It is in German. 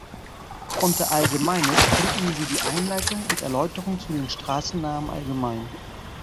Unter "Allgemeines" finden Sie die Einleitung und Erläuterungen zu den Straßennamen allgemein.